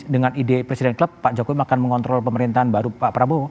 dengan ide presiden klub pak jokowi akan mengontrol pemerintahan baru pak prabowo